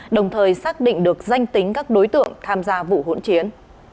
đồng thời xác định được danh tính các đối tượng tham gia vụ hỗn chiến